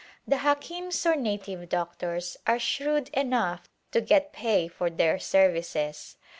The Hakims or native doctors are shrewd enough to get pay for their services.